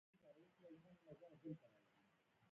هغه دا کتاب په زندان کې د بند پر مهال ولیکه